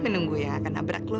nunggu yang akan nabrak lo